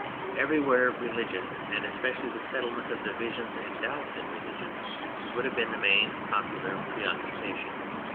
Everywhere religion, and especially the settlement of divisions and doubts in religion, would have been the main popular preoccupation.